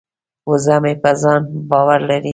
وزه مې په ځان باور لري.